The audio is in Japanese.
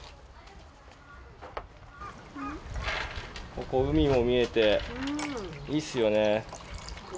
ここ海も見えていいですよね。